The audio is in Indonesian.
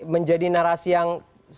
menjadi narasi yang